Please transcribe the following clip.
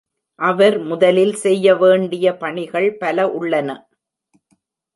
அவர் முதலில் செய்ய வேண்டிய பணிகள் பல உள்ளன